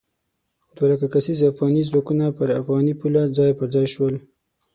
دوه لک کسیز افغاني ځواکونه پر افغاني پوله ځای پر ځای شول.